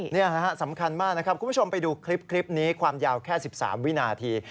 นี่สำคัญมากนะครับคุณผู้ชมไปดูคลิปนี้ความยาวแค่๑๓วินาที